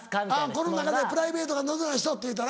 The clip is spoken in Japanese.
「この中でプライベートが謎な人」っていうたら。